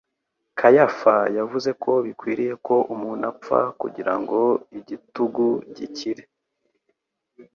Kayafa yavuze ko bikwiriye ko umuntu apfa kugira ngo igihtigu gikire.